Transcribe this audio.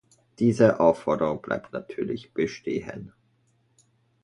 Diese Aufforderung bleibt natürlich bestehen.